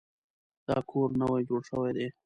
دا کور نوی جوړ شوی دی